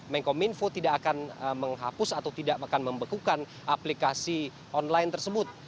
menkom info tidak akan menghapus atau tidak akan membekukan aplikasi online tersebut